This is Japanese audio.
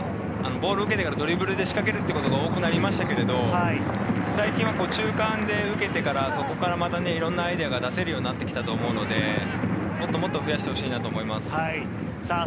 以前はボールを受けてからドリブルで仕掛けるってことが多くなりましたけど、最近は中間で受けてから、そこからまたいろんなアイディアが出せるようになってきたと思うので、もっと増やしてほしいなと思います。